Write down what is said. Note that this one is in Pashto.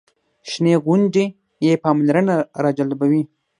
شنې غونډۍ یې پاملرنه راجلبوي.